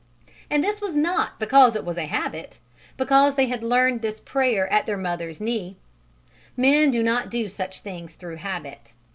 And this was not because it was a habit, because they had learned this prayer "at their mother's knee": men do not do such things through habit.